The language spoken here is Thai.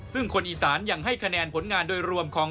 ซึ่งคนอีสานยังให้คะแนนผลงานโดยรวมของ